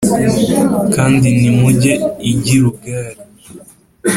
kandi ntimujye i Gilugali